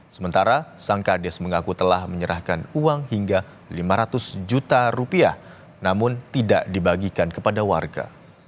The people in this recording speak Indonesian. sementara sang kades mengaku telah menyerahkan uang hingga lima ratus juta rupiah namun tidak dibagikan kepada warga